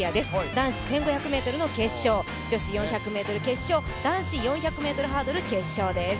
男子１５００ｍ決勝、女子４００ｍ決勝、男子４００ｍハードル決勝です。